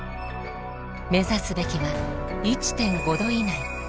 目指すべきは１．５℃以内。